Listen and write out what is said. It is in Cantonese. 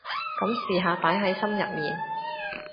噉試下擺喺心入面